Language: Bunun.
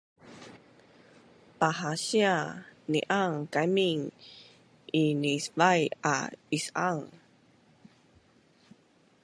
Pahasia, niang kaimin inisvai a is-aang